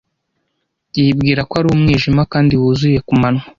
Yibwira ko ari umwijima kandi wuzuye ku manywa. "